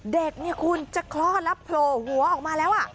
เด็กเนี่ยคุณจะคลอดแล้วโผล่หัวออกมาแล้ว